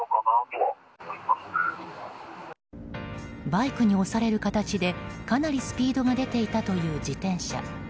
バイクに押される形でかなりスピードが出ていたという自転車。